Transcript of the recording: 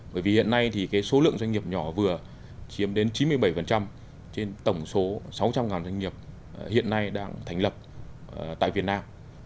bởi vì hiện nay thì số lượng doanh nghiệp nhỏ vừa chiếm đến chín mươi bảy trên tổng số sáu trăm linh doanh nghiệp hiện nay đang thành lập tại việt nam